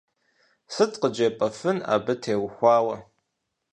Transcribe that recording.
Сыт къыджепӀэфын абы теухуауэ?